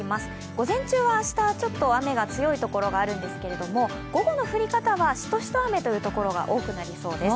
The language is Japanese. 午前中は明日ちょっと雨が強いところがあるんですけど午後の降り方は、しとしと雨というところが多くなりそうです。